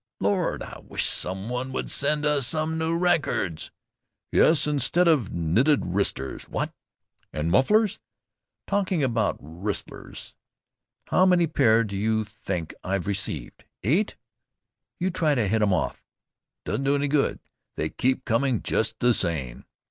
"Lord! I wish some one would send us some new records." "Yes, instead of knitted wristers what?" "And mufflers." "Talking about wristers, how many pair do you think I've received? Eight!" "You try to head 'em off. Doesn't do any good. They keep coming just the same."